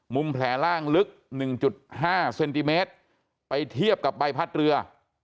มุมแผลล่างลึกหนึ่งจุดห้าเซนติเมตรไปเทียบกับใบพัดเรือ